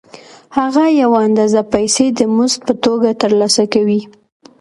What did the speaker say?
هغه یوه اندازه پیسې د مزد په توګه ترلاسه کوي